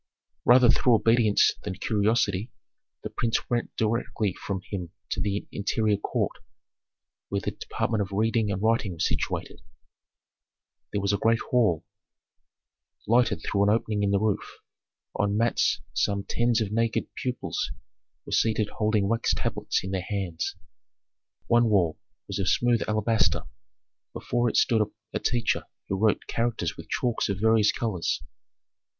Rather through obedience than curiosity, the prince went directly from him to the interior court, where the department of reading and writing was situated. That was a great hall, lighted through an opening in the roof. On mats some tens of naked pupils were seated holding wax tablets in their hands. One wall was of smooth alabaster; before it stood a teacher who wrote characters with chalks of various colors.